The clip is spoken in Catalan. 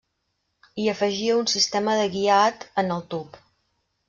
I afegia un Sistema de guiat en el tub.